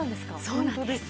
そうなんです。